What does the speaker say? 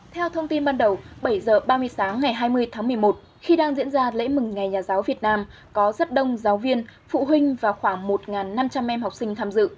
theo thông tin ban đầu bảy h ba mươi sáng ngày hai mươi tháng một mươi một khi đang diễn ra lễ mừng ngày nhà giáo việt nam có rất đông giáo viên phụ huynh và khoảng một năm trăm linh em học sinh tham dự